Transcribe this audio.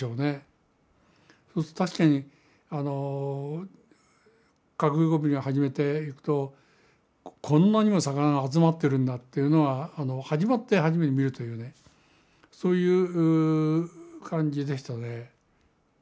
そうすると確かにあの囲い込みを始めていくとこんなにも魚が集まってるんだというのは始まって初めて見るというねそういう感じでしたね。